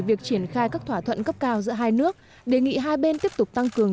việc triển khai các thỏa thuận cấp cao giữa hai nước đề nghị hai bên tiếp tục tăng cường